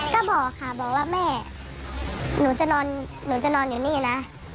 ก็บอกค่ะบอกว่าแม่หนูจะนอนหนูจะนอนอยู่นี่นะ